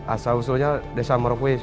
asal usulnya desa murakuis